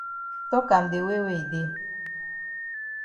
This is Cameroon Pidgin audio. Tok am de way wey e dey.